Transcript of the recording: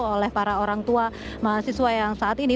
oleh para orang tua mahasiswa yang saat ini